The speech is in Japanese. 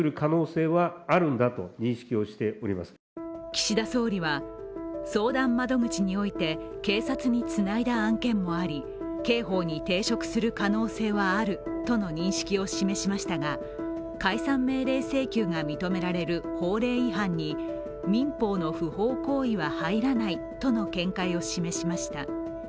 岸田総理は相談窓口において警察につないだ案件もあり刑法に抵触する可能性はあるとの認識を示しましたが、解散命令請求が認められる法令違反に民法の不法行為は入らないとの見解を示しました。